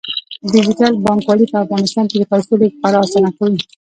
ډیجیټل بانکوالي په افغانستان کې د پیسو لیږد خورا اسانه کوي.